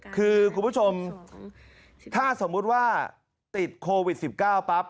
คือคุณผู้ชมถ้าสมมุติว่าติดโควิด๑๙ปั๊บ